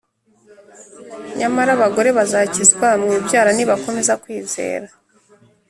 Nyamara abagore bazakizwa mu ibyara nibakomeza kwizera